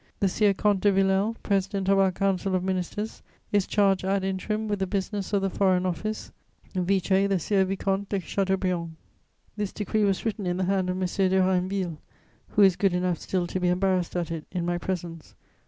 "The Sieur Comte de Villèle, President of our Council of Ministers, is charged ad interim with the business of the Foreign Office, vice the Sieur Vicomte de Chateaubriand." This decree was written in the hand of M. de Rainneville, who is good enough still to be embarrassed at it in my presence.